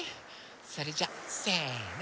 それじゃせの。